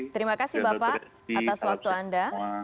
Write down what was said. terima kasih bapak atas waktu anda